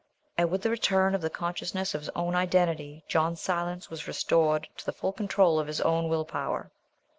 And with the return of the consciousness of his own identity John Silence was restored to the full control of his own will power.